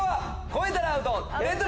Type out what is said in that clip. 超えたらアウト！